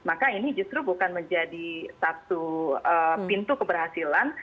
maka ini justru bukan menjadi satu pintu keberhasilan